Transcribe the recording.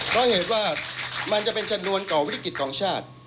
เพราะเหตุว่ามันจะเป็นชนวนต่อวิกฤตของชาติ